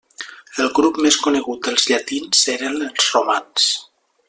El grup més conegut dels llatins eren els romans.